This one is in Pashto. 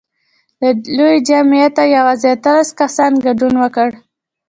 له لوی جمعیته یوازې اتلس کسانو ګډون وکړ.